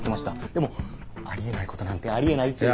でもあり得ないことなんてあり得ないっていう。